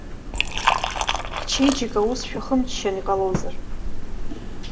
Ҳчеиџьыка ус шәахымыччан иҟалозар.